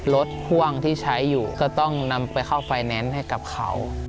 รถพ่วงที่ใช้อยู่ก็ต้องนำไปเข้าไฟแนนซ์ให้กับเขา